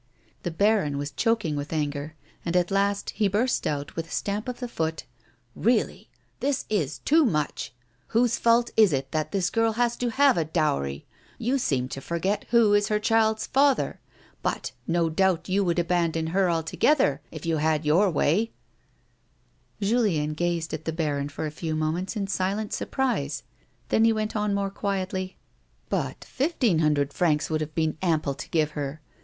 The baron was choking with anger, and at last he burst out, with a stamp of the foot :" Keally, this is too much ! Whose fault is it that this girl has to have a dowry t You seem to forget who is her child's father ; but, no doubt, you would abandon her alto gether if you had your way I " Julien gazed at the baron for a few moments in silent surprise. Then he went on more quietly : "But fifteen hundred francs would have been ample to give her.